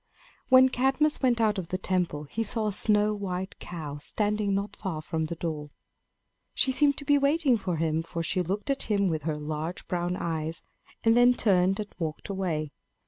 When Cadmus went out of the temple, he saw a snow white cow standing not far from the door. She seemed to be waiting for him, for she looked at him with her large brown eyes, and then turned and walked away.